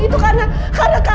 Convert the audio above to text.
itu karena keadaan aja pak